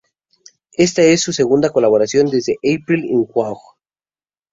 Esta es su segunda colaboración desde "April in Quahog".